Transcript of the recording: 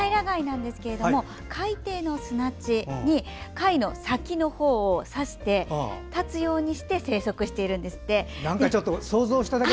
海底の砂地に貝の先のほうを刺して立つようにして生息しているんですって。